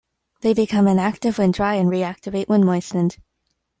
They become inactive when dry and reactivate when moistened.